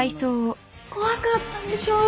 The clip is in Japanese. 怖かったでしょ？